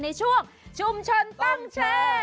ในช่วงชุมชนตั้งแชร์